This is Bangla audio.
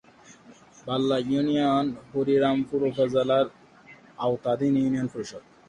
বাল্লা ইউনিয়ন হরিরামপুর উপজেলার আওতাধীন ইউনিয়ন পরিষদ।